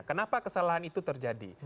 kenapa kesalahan itu terjadi